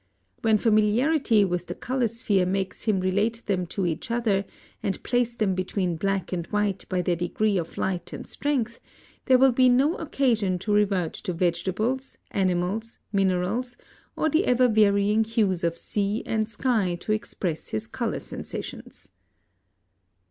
When familiarity with the color sphere makes him relate them to each other and place them between black and white by their degree of light and strength, there will be no occasion to revert to vegetables, animals, minerals, or the ever varying hues of sea and sky to express his color sensations.